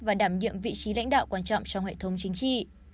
và đảm nhiệm vị trí lãnh đạo quan trọng trong hệ thống chính trị